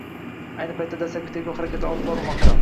Ayni paytda dastlabki tergov harakatlari olib borilmoqda